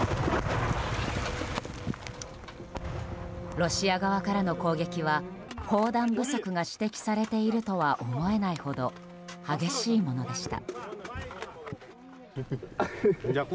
ロシア側からの攻撃は砲弾不足が指摘されているとは思えないほど激しいものでした。